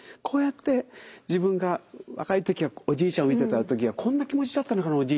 こうやって自分が若い時はおじいちゃんを見てた時はこんな気持ちだったのかな